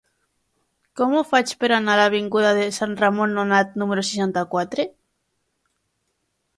Com ho faig per anar a l'avinguda de Sant Ramon Nonat número seixanta-quatre?